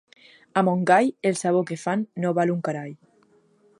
A Montgai, el sabó que fan no val un carall.